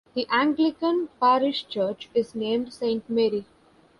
The Anglican parish church is named Saint Mary.